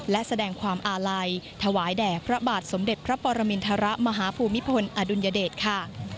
และแสดงความอาลัยถวายแด่พระบาทสมเด็จพระปรมินทรมาฮภูมิพลอดุลยเดชค่ะ